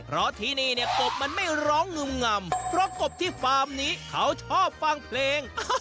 เพราะที่นี่เนี่ยกบมันไม่ร้องงึมงำเพราะกบที่ฟาร์มนี้เขาชอบฟังเพลง